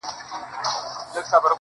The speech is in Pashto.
گراني په تاڅه وسول ولي ولاړې .